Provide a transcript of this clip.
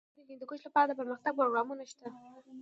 افغانستان کې د هندوکش لپاره دپرمختیا پروګرامونه شته.